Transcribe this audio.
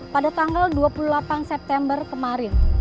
pada tanggal dua puluh delapan september kemarin